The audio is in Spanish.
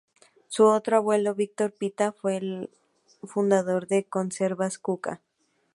Su otro abuelo Víctor Pita fue el fundador de Conservas Cuca.